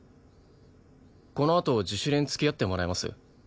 このあと自主練付き合ってもらえます？